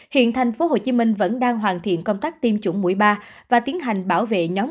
hiện thành phố hồ chí minh vẫn đang hoàn thiện công tác tiêm chủng mũi ba và tiến hành bảo vệ nhóm